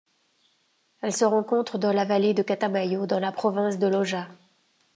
Elle se rencontre dans la vallée de Catamayo, dans la province de Loja.